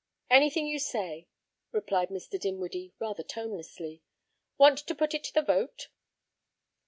"Anything you say," replied Mr. Dinwiddie rather tonelessly. "Want to put it to the vote?"